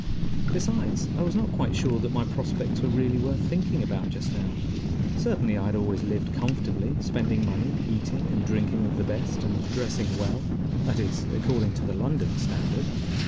Besides, I was not quite sure that my prospects were really worth thinking about just now. Certainly, I had always lived comfortably, spending money, eating and drinking of the best, and dressing well that is, according to the London standard.